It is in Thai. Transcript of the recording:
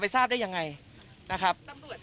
ก็ตอบได้คำเดียวนะครับ